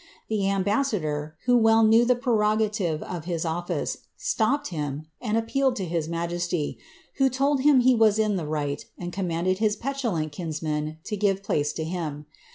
The ambassador, who wrll knew the prerogative of his office, stopped him^ and appealed to hi:« majesty, who told him he was in the right, and commanded hb petiH lant kinsman to give place to him.